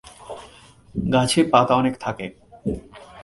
গাছে পাতা অনেক থাকে।